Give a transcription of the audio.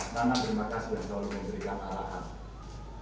tangan terima kasih dan selalu memberikan alahan